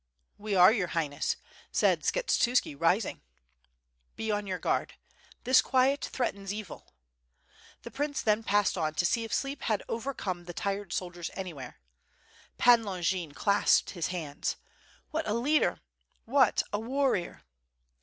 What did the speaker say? '*We are, Your Highness/' said 8kshetuski, rising. "Be on your guard. This quiet threatens evil.'' The prince then passed on to see if sleep had overcome the tired soldiers anywhere. Pan Longin clasped his hands: What a leader! What a warrior!"